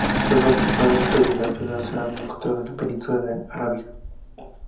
Sólo nueve especies de anfibios se han encontrado en la península Arábiga.